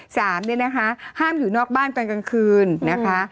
สามเนี่ยนะคะห้ามอยู่นอกบ้านตอนกลางคืนนะคะ